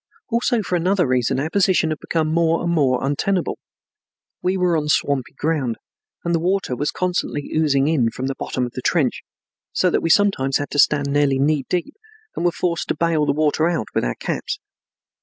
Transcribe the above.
Also for another reason our position had become more and more untenable. We were on swampy ground and the water was constantly oozing in from the bottom of the trench, so that we sometimes had to stand nearly knee deep and were forced to bail the water out with our caps.